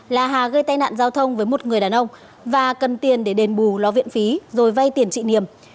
là hà gây tai nạn giao thông với một người đàn ông và cần tiền để đền bù lo viện phí rồi vay tiền chị niềm